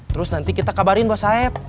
terus nanti kita kabarin bos saeb